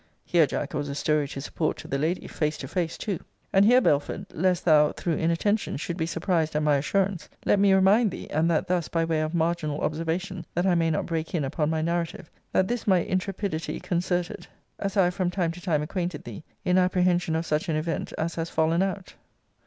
Here, Jack, was a story to support to the lady; face to face too!* * And here, Belford, lest thou, through inattention, should be surprised at my assurance, let me remind thee (and that, thus, by way of marginal observation, that I may not break in upon my narrative) that this my intrepidity concerted (as I have from time to time acquainted thee) in apprehension of such an event as has fallen out.